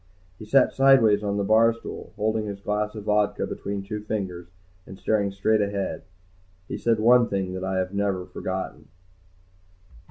He sat sideways on the bar stool, holding his glass of vodka between two fingers and staring straight ahead. He said one thing that I had never forgotten.